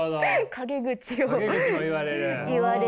陰口を言われる。